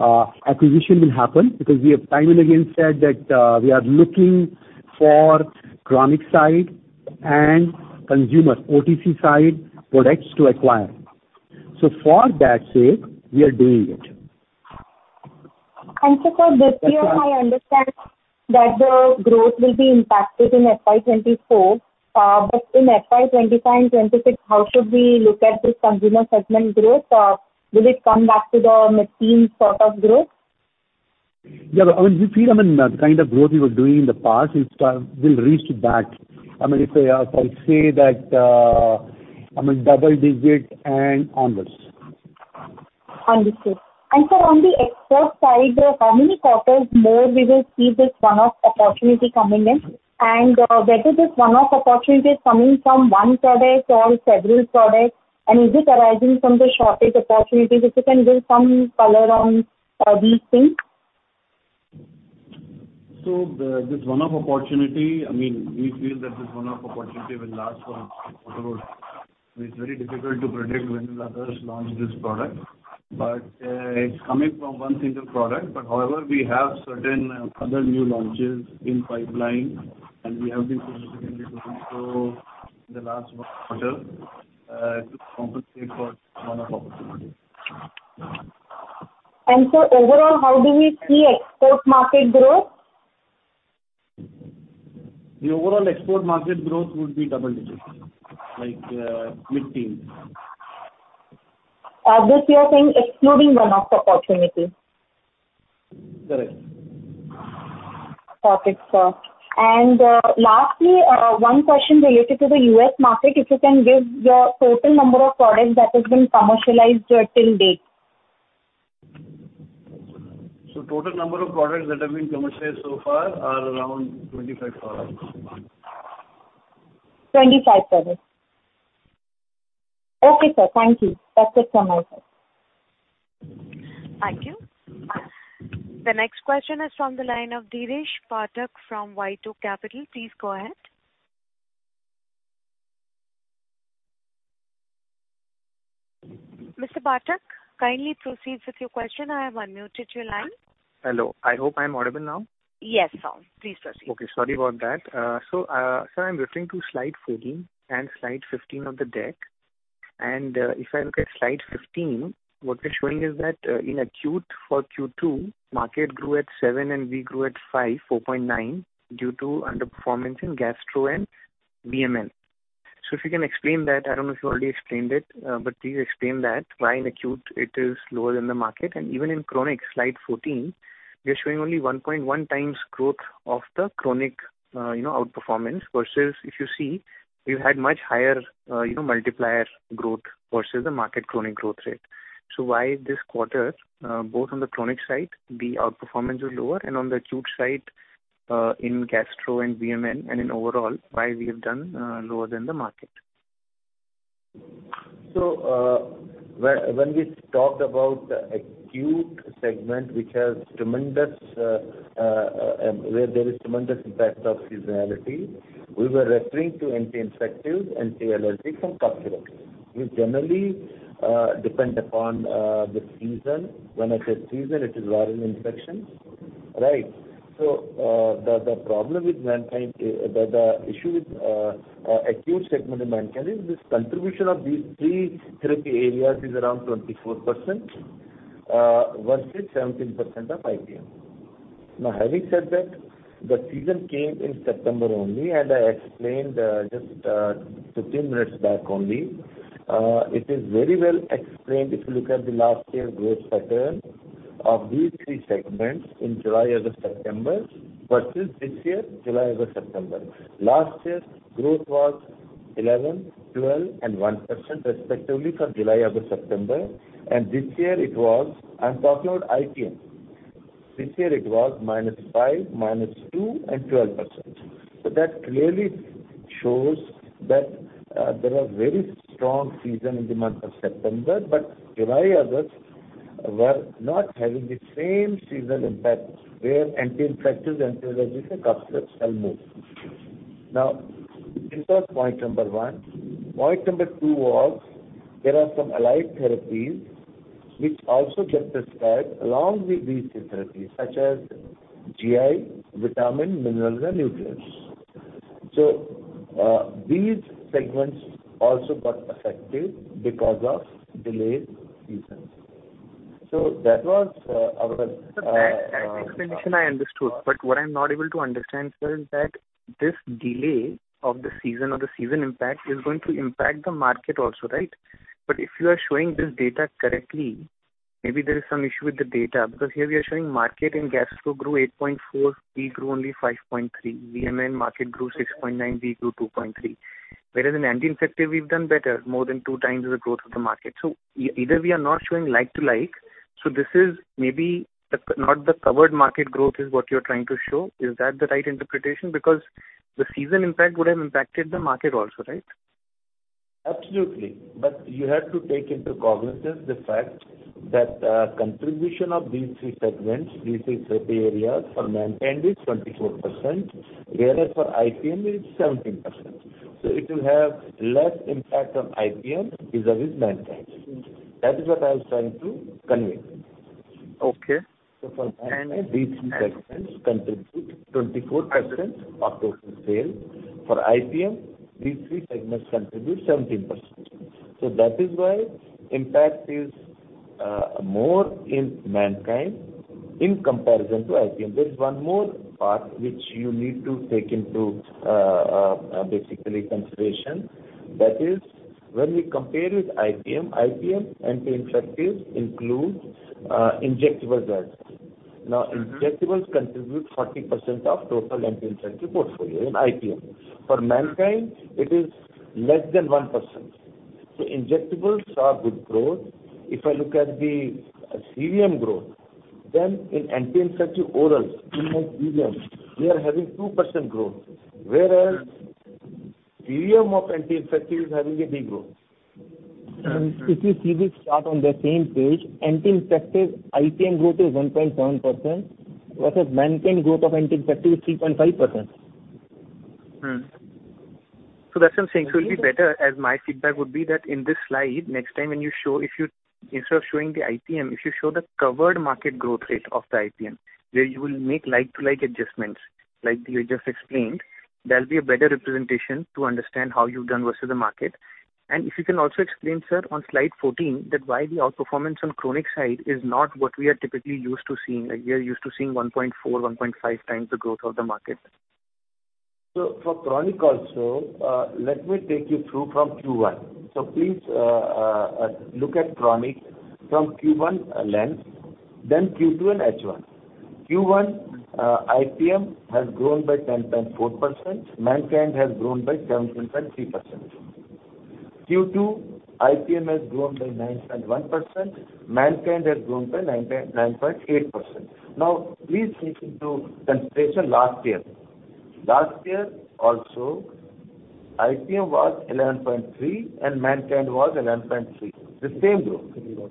acquisition will happen, because we have time and again said that we are looking for chronic side and consumer OTC side products to acquire. For that sake, we are doing it. And so, sir, this year I understand that the growth will be impacted in FY 2024, but in FY 2025 and 2026, how should we look at the consumer segment growth? Will it come back to the mid-teen sort of growth? Yeah, but I mean, we feel, I mean, the kind of growth we were doing in the past, is we'll reach to that. I mean, if I say that, I mean, double digit and onwards. Understood. And sir, on the export side, how many quarters more we will see this one-off opportunity coming in? And, whether this one-off opportunity is coming from one product or several products, and is it arising from the shortage opportunity, if you can give some color on these things? So this one-off opportunity, I mean, we feel that this one-off opportunity will last for about. It's very difficult to predict when others launch this product. But it's coming from one single product. But however, we have certain other new launches in pipeline, and we have been significantly doing so in the last quarter to compensate for one-off opportunity. Overall, how do we see export market growth? The overall export market growth would be double digits, like, mid-teen. This you're saying excluding one-off opportunity? Correct. Got it, sir. Lastly, one question related to the U.S. market, if you can give your total number of products that has been commercialized till date. Total number of products that have been commercialized so far are around 25 products. 25 products. Okay, sir, thank you. That's it from my side. Thank you. The next question is from the line of Dheeresh Pathak from WhiteOak Capital. Please go ahead. Mr. Pathak, kindly proceed with your question. I have unmuted your line. Hello. I hope I'm audible now. Yes, sir. Please proceed. Okay, sorry about that. So, I'm referring to slide 14 and slide 15 of the deck. And, if I look at slide 15, what we're showing is that, in acute for Q2, market grew at 7%, and we grew at 5, 4.9%, due to underperformance in Gastro and VMN. So if you can explain that, I don't know if you already explained it, but please explain that, why in acute it is lower than the market? And even in chronic, slide 14, we are showing only 1.1x growth of the chronic, you know, outperformance, versus if you see, we've had much higher, you know, multiplier growth versus the market chronic growth rate. Why this quarter, both on the chronic side, the outperformance is lower, and on the acute side, in Gastro and VMN, and in overall, why we have done lower than the market? So, when we talked about the acute segment, which has tremendous, where there is tremendous impact of seasonality, we were referring to anti-infectives, anti-allergy, and cough syrup. We generally depend upon the season. When I say season, it is viral infections, right? So, the problem with Mankind, the issue with acute segment in Mankind is this contribution of these three therapy areas is around 24%, versus 17% of IPM. Now, having said that, the season came in September only, and I explained just 15 minutes back only. It is very well explained if you look at the last year's growth pattern of these three segments in July, August, September, versus this year, July over September. Last year, growth was 11, 12, and 1% respectively for July over September, and this year it was... I'm talking about IPM. This year it was -5, -2, and 12%. So that clearly shows that, there was very strong season in the month of September, but July, August were not having the same seasonal impact, where anti-infectives, anti-allergy, and cough syrups sell more. Now, this was point number one. Point number two was, there are some allied therapies which also get prescribed along with these three therapies, such as GI, vitamin, minerals, and nutrients. So, these segments also got affected because of delayed seasons. So that was, our, Sir, that explanation I understood, but what I'm not able to understand, sir, is that this delay of the season or the season impact is going to impact the market also, right? But if you are showing this data correctly, maybe there is some issue with the data, because here we are showing market in gastro grew 8.4, we grew only 5.3. VMN market grew 6.9, we grew 2.3. Whereas in anti-infective, we've done better, more than two times the growth of the market. So either we are not showing like to like, so this is maybe not the covered market growth is what you're trying to show. Is that the right interpretation? Because the season impact would have impacted the market also, right? Absolutely. But you have to take into cognizance the fact that, contribution of these three segments, these three therapy areas for Mankind is 24%, whereas for IPM it is 17%. So it will have less impact on IPM vis-a-vis Mankind. That is what I was trying to convey. Okay. So for Mankind, these three segments contribute 24% of total sales. For IPM, these three segments contribute 17%. So that is why impact is more in Mankind in comparison to IPM. There is one more part which you need to take into basically consideration. That is, when we compare with IPM, IPM anti-infectives include injectable drugs. Now, injectables contribute 40% of total anti-infective portfolio in IPM. For Mankind, it is less than 1%. So injectables saw good growth. If I look at the CVM growth, then in anti-infective orals, in my CVM, we are having 2% growth, whereas volume of anti-infective is having a big growth. If you see the chart on the same page, anti-infective IPM growth is 1.7% versus Mankind growth of anti-infective is 3.5%. So that's what I'm saying. So it will be better, as my feedback would be, that in this slide, next time when you show if you, instead of showing the IPM, if you show the covered market growth rate of the IPM, where you will make like-to-like adjustments, like you just explained, that'll be a better representation to understand how you've done versus the market. And if you can also explain, sir, on slide 14, that why the outperformance on chronic side is not what we are typically used to seeing. Like, we are used to seeing 1.4, 1.5 times the growth of the market. So for chronic also, let me take you through from Q1. So please, look at chronic from Q1 lens, then Q2 and H1. Q1, IPM has grown by 10.4%, Mankind has grown by 17.3%. Q2, IPM has grown by 9.1%, Mankind has grown by 9.8%. Now, please take into consideration last year. Last year also, IPM was 11.3%, and Mankind was 11.3%, the same growth.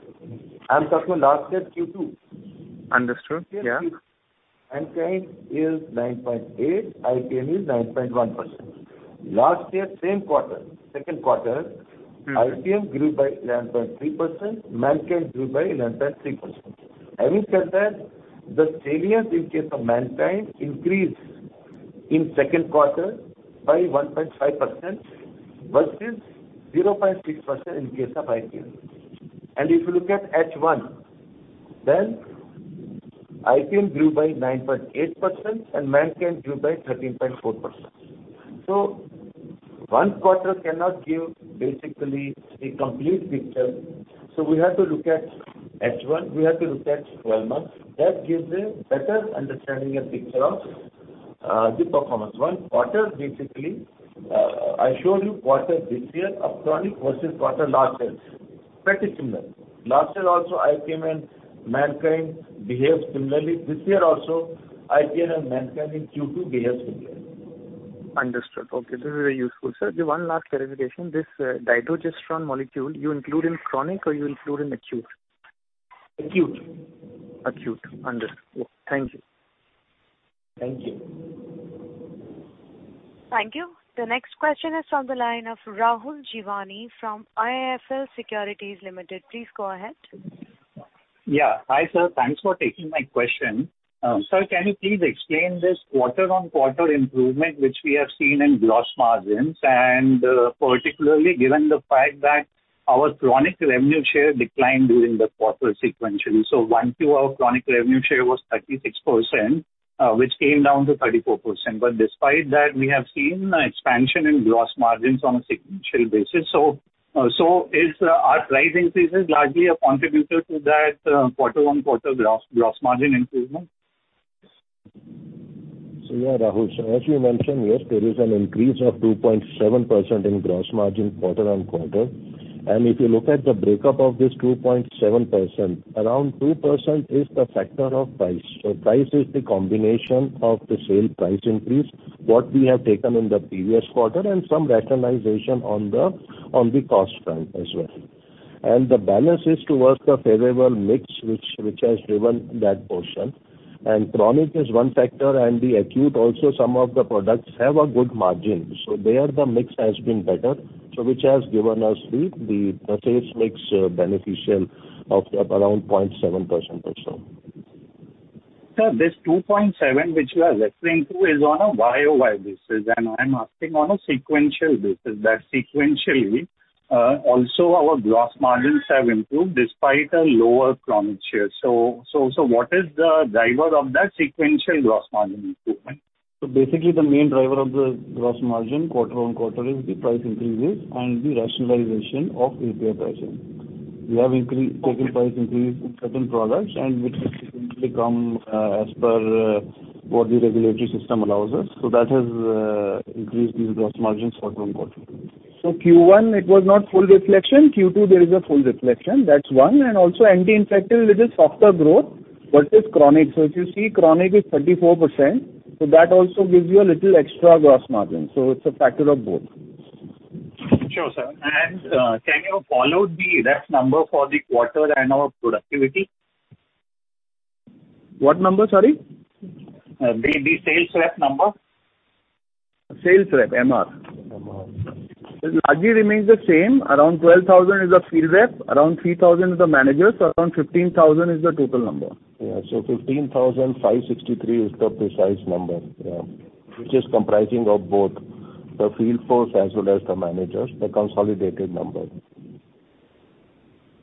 I'm talking last year, Q2. Understood. Yeah. Mankind is 9.8, IPM is 9.1%. Last year, same quarter, second quarter IPM grew by 11.3%, Mankind grew by 11.3%. Having said that, the variance in case of Mankind increased in second quarter by 1.5% versus 0.6% in case of IPM. And if you look at H1, then IPM grew by 9.8% and Mankind grew by 13.4%. So one quarter cannot give basically the complete picture, so we have to look at H1, we have to look at 12 months. That gives a better understanding and picture of the performance. One quarter, basically, I show you quarter this year of chronic versus quarter last year, pretty similar. Last year also, IPM and Mankind behaved similarly. This year also, IPM and Mankind in Q2 behaved similarly. Understood. Okay, this is very useful. Sir, the one last clarification, this dydrogesterone molecule, you include in chronic or you include in acute? Acute. Acute. Understood. Thank you. Thank you. Thank you. The next question is on the line of Rahul Jeewani from IIFL Securities Limited. Please go ahead. Yeah. Hi, sir, thanks for taking my question. Sir, can you please explain this quarter-on-quarter improvement, which we have seen in gross margins, and, particularly given the fact that our chronic revenue share declined during the quarter sequentially? So one to our chronic revenue share was 36%, which came down to 34%. But despite that, we have seen an expansion in gross margins on a sequential basis. So, so is our price increases largely a contributor to that, quarter-on-quarter gross, gross margin improvement? So yeah, Rahul, so as you mentioned, yes, there is an increase of 2.7% in gross margin quarter-on-quarter. And if you look at the breakup of this 2.7%, around 2% is the factor of price. So price is the combination of the sale price increase, what we have taken in the previous quarter, and some rationalization on the, on the cost front as well. And the balance is towards the favorable mix, which has driven that portion. And chronic is one factor, and the acute also, some of the products have a good margin, so there the mix has been better, so which has given us the sales mix beneficial of around 0.7% or so. Sir, this 2.7, which you are referring to, is on a YoY basis, and I'm asking on a sequential basis, that sequentially, also our gross margins have improved despite a lower chronic share. So, what is the driver of that sequential gross margin improvement? Basically, the main driver of the gross margin quarter-on-quarter is the price increases and the rationalization of API pricing. We have increased- Okay. Taken price increase in certain products and which has come, as per, what the regulatory system allows us. So that has increased the gross margins quarter-on-quarter. So Q1, it was not full reflection. Q2, there is a full reflection. That's one. And also, anti-infective, it is softer growth, but it's chronic. So if you see, chronic is 34%, so that also gives you a little extra gross margin. So it's a factor of both. Sure, sir. Can you follow the rep number for the quarter and our productivity? What number, sorry? The sales rep number. Sales rep, MR. MR. It largely remains the same. Around 12,000 is the field rep, around 3,000 is the managers, so around 15,000 is the total number. Yeah, so 15,563 is the precise number, yeah, which is comprising of both the field force as well as the managers, the consolidated number.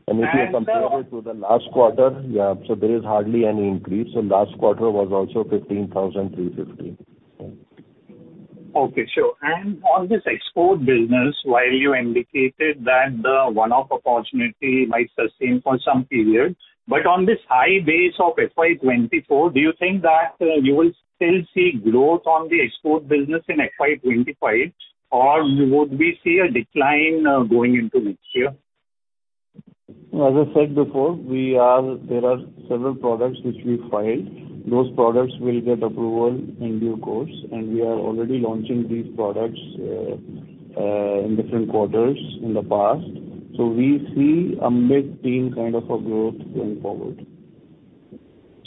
And the- If you compare it to the last quarter, yeah, so there is hardly any increase. Last quarter was also 15,350. Okay, sure. On this export business, while you indicated that the one-off opportunity might sustain for some period, but on this high base of FY 2024, do you think that you will still see growth on the export business in FY 2025, or would we see a decline going into next year? As I said before, we are, there are several products which we filed. Those products will get approval in due course, and we are already launching these products in different quarters in the past. So we see a mid-teen kind of a growth going forward.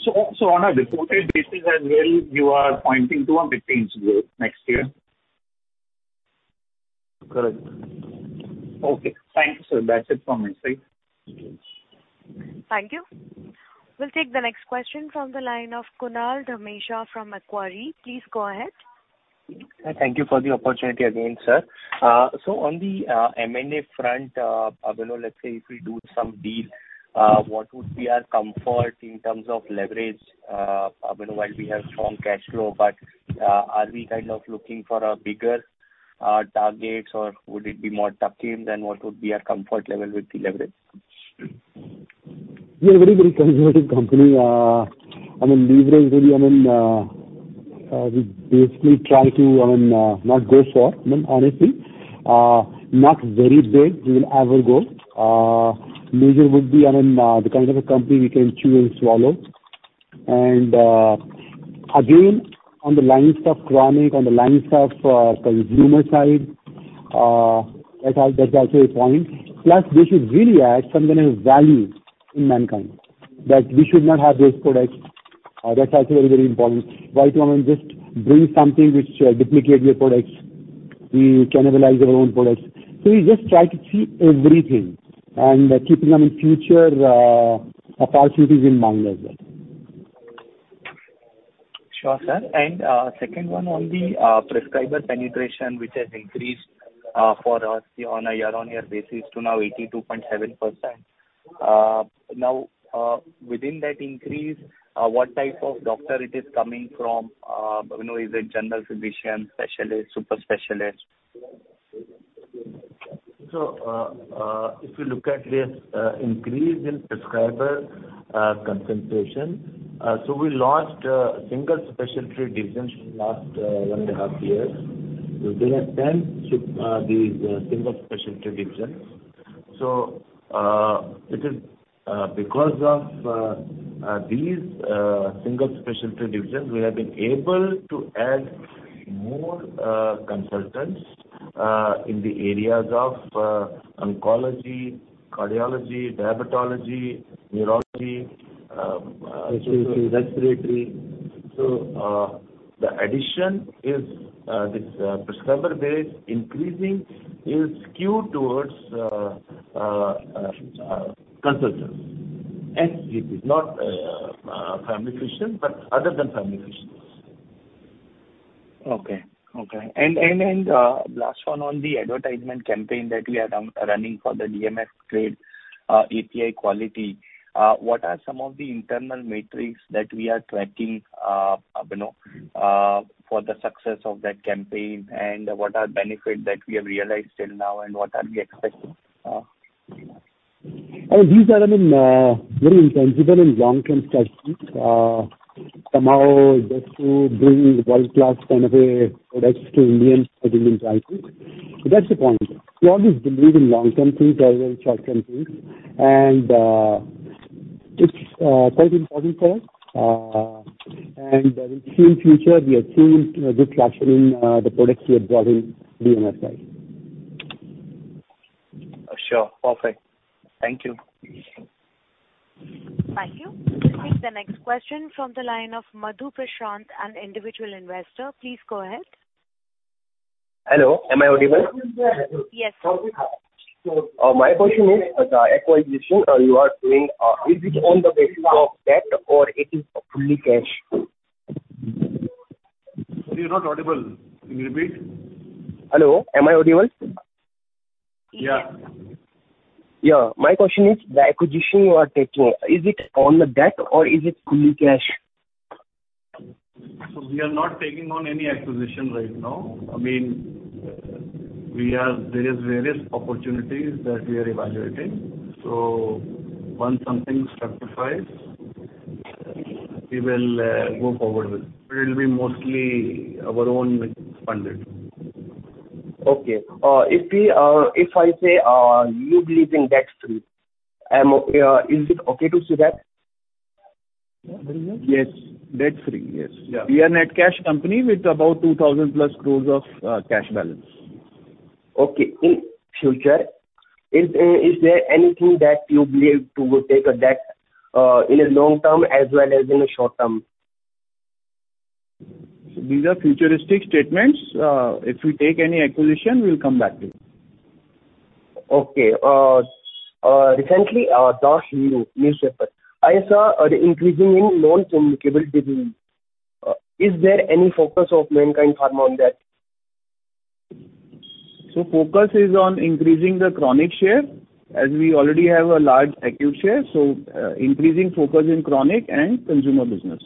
So, on a reported basis as well, you are pointing to a mid-teen growth next year? Correct. Okay. Thank you, sir. That's it from my side. Thank you. We'll take the next question from the line of Kunal Dhamesha from Macquarie. Please go ahead. Thank you for the opportunity again, sir. So on the M&A front, you know, let's say if we do some deal, what would be our comfort in terms of leverage? I mean, while we have strong cash flow, but are we kind of looking for a bigger targets, or would it be more tactical, then what would be our comfort level with the leverage? We are a very conservative company. I mean, leverage really, I mean, we basically try to, I mean, not go for, I mean, honestly, not very big we will ever go. Major would be, I mean, the kind of a company we can chew and swallow. Again, on the lines of chronic, on the lines of, consumer side, that's also a point. Plus, we should really add something of value in Mankind, that we should not have those products. That's also very, very important. Why do you want to just bring something which duplicate your products? We cannibalize our own products. So we just try to see everything and keeping them in future opportunities in mind as well. Sure, sir. Second one on the prescriber penetration, which has increased for us on a year-on-year basis to now 82.7%. Now, within that increase, what type of doctor it is coming from? You know, is it general physician, specialist, super specialist? So, if you look at this increase in prescriber concentration, so we launched single specialty divisions in the last one and a half years. We have 10 of these single specialty divisions. So, it is because of these single specialty divisions, we have been able to add more consultants in the areas of oncology, cardiology, dermatology, neurology. Respiratory. Respiratory. So, the addition is this prescriber base increasing is skewed towards consultants, and it is not family physician, but other than family physicians. Okay. Okay. And last one on the advertisement campaign that we are running for the DMF grade API quality, what are some of the internal metrics that we are tracking, you know, for the success of that campaign? And what are benefits that we have realized till now, and what are we expecting? These are, I mean, very intensive and long-term strategies. Somehow just to bring world-class kind of a products to Indians, for Indian society. So that's the point. We always believe in long-term things rather than short-term things, and it's quite important for us. And in near future, we are seeing a good traction in the products we have brought in DMF side. Sure. Perfect. Thank you. Thank you. We'll take the next question from the line of Madhu Prashant, an individual investor. Please go ahead. Hello, am I audible? Yes. My question is, the acquisition you are doing, is it on the basis of debt or it is fully cash? You're not audible. Can you repeat? Hello, am I audible? Yeah. Yeah. My question is, the acquisition you are taking, is it on the debt or is it fully cash? So we are not taking on any acquisition right now. I mean, we are there is various opportunities that we are evaluating. So once something satisfies, we will go forward with it, but it will be mostly our own funded. Okay. If we, if I say, you believe in debt free, is it okay to say that? Yes. Debt free. Yes. Yeah. We are net cash company with about 2,000+ crore of cash balance. Okay. In future, is there anything that you believe to take a debt, in a long term as well as in a short term? So these are futuristic statements. If we take any acquisition, we'll come back to you. Okay. Recently, the newspaper, I saw an increasing in non-communicable disease. Is there any focus of Mankind Pharma on that? So focus is on increasing the chronic share, as we already have a large acute share, so increasing focus in chronic and consumer business.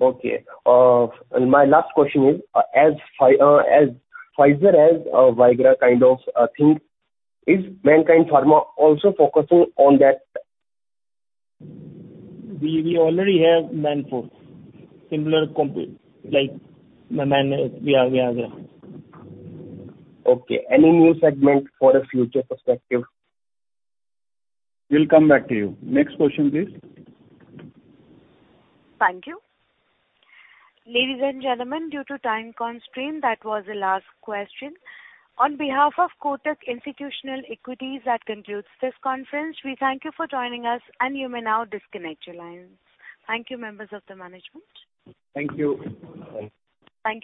Okay. And my last question is, as Pfizer has, Viagra kind of thing, is Mankind Pharma also focusing on that? We already have Manforce, similar like, man, we are there. Okay. Any new segment for a future perspective? We'll come back to you. Next question, please. Thank you. Ladies and gentlemen, due to time constraint, that was the last question. On behalf of Kotak Institutional Equities, that concludes this conference. We thank you for joining us, and you may now disconnect your lines. Thank you, members of the management. Thank you. Thank you.